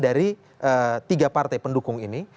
dari tiga partai pendukung ini